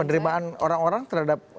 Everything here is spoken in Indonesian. penerimaan orang orang terhadap